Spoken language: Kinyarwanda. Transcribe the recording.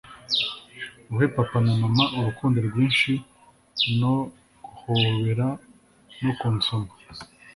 Uhe papa na mama urukundo rwinshi no guhobera no kunsoma.